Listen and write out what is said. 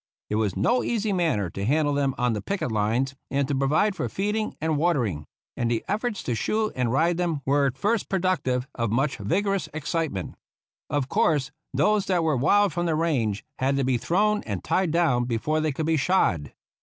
It was no easy matter to handle them on the picket lines, and to provide for feeding and watering ; and the efforts to shoe and ride them were at first produc tive of much vigorous excitement. Of course, those that were wild from the range had to be thrown and tied down before they could be shod.